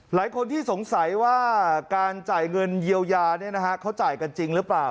หลายคนที่สงสัยว่าการจ่ายเงินเยียวยาเขาจ่ายกันจริงหรือเปล่า